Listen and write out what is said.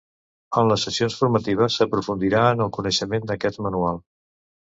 En les sessions formatives s'aprofundirà en el coneixement d'aquest manual.